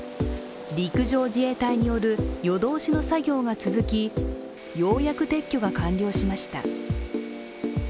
陸上自衛隊による夜通しの作業が続きようやく撤去が完了しました。